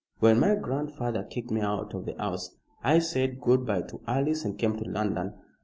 When my grandfather kicked me out of the house, I said good bye to Alice and came to London.